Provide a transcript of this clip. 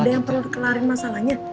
ada yang perlu kelarin masalahnya